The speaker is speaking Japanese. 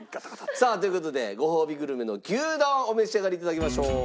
さあという事でごほうびグルメの牛丼お召し上がり頂きましょう。